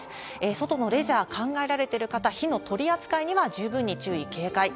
外のレジャー考えられている方、火の取り扱いには十分に注意、警戒。